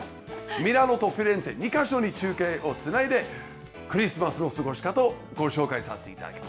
ミラノとフィレンツェ、２か所に中継をつないで、クリスマスの過ごし方をご紹介させていただきま